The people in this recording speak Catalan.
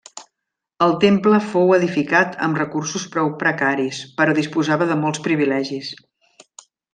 El temple fou edificat amb recursos prou precaris, però disposava de molts privilegis.